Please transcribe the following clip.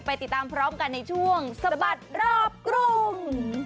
ติดตามพร้อมกันในช่วงสะบัดรอบกรุง